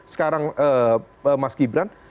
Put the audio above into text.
sekarang mas gibran